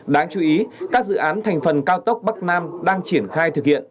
đáng chú ý các dự án thành phần cao tốc bắc nam đang triển khai thực hiện